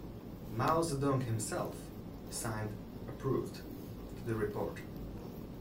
Mao Zedong himself signed "approved" to the report.